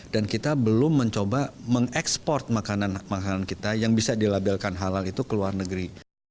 dan kita belum mencoba mengekspor makanan makanan kita yang bisa dilabelkan halal itu ke luar negeri